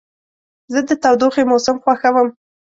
زه د تودوخې موسم خوښوم.